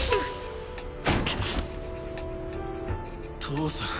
父さん。